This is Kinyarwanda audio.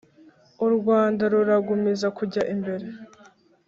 u rwanda ruragumiza kujya mbere: